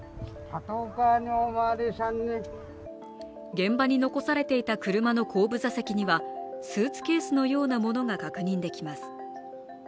現場に残されていた車の後部座席にはスーツケースのようなものが確認できます。